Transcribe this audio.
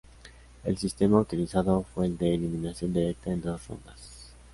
El sistema utilizado fue el de eliminación directa en dos rondas.